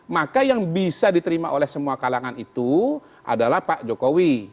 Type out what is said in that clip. maka yang bisa diterima oleh semua kalangan itu adalah pak jokowi